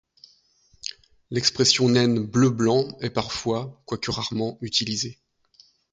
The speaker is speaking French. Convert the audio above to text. L'expression naine bleu-blanc est parfois, quoique rarement, utilisé.